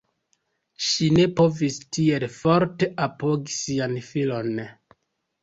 Ŝi ne povis tiel forte apogi sian filon.